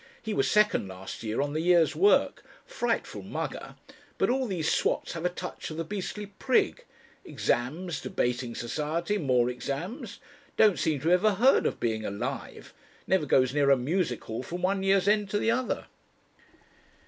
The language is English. He was second last year on the year's work. Frightful mugger. But all these swats have a touch of the beastly prig. Exams Debating Society more Exams. Don't seem to have ever heard of being alive. Never goes near a Music Hall from one year's end to the other."